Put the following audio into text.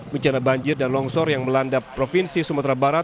bencana banjir dan longsor yang melanda provinsi sumatera barat